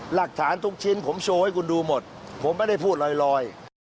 หลักฐานทุกชิ้นผมโชว์ให้คุณดูหมดผมไม่ได้พูดลอย